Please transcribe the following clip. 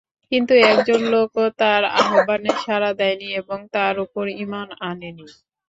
কিন্তু একজন লোকও তার আহ্বানে সাড়া দেয়নি এবং তার উপর ঈমান আনেনি।